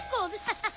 ハハハ。